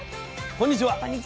こんにちは。